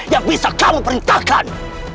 yang bisa kamu perintahkan